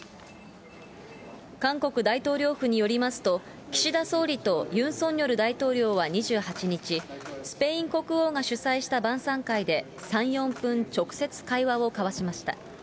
韓国大統領府によりますと、岸田総理とユン・ソンニョル大統領は２８日、スペイン国王が主催した晩さん会で３、４分、直接会話を交わしました。